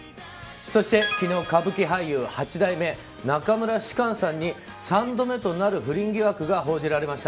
そして、昨日歌舞伎俳優、中村芝翫さんに３度目となる不倫疑惑が報じられました。